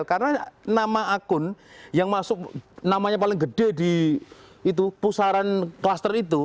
karena nama akun yang masuk namanya paling gede di pusaran cluster itu